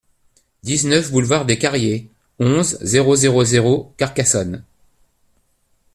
dix-neuf boulevard des Carriers, onze, zéro zéro zéro, Carcassonne